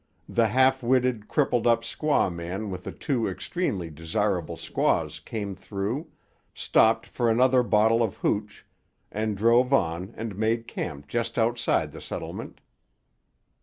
The half witted, crippled up squaw man with the two extremely desirable squaws came through, stopped for another bottle of hooch, and drove on and made camp just outside the settlement.